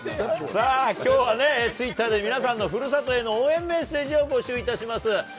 さあ、きょうはね、ツイッターで皆さんのふるさとへの応援メッセージを募集いたします。